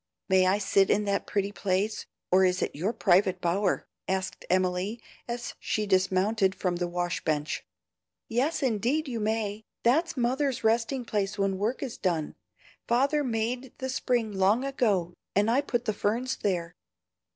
May I sit in that pretty place; or is it your private bower?" asked Emily, as she dismounted from the wash bench. "Yes, indeed you may. That's mother's resting place when work is done. Father made the spring long ago, and I put the ferns there.